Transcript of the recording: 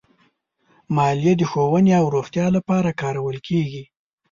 مالیه د ښوونې او روغتیا لپاره کارول کېږي.